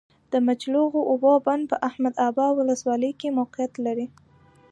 د مچلغو اوبو بند په احمد ابا ولسوالۍ کي موقعیت لری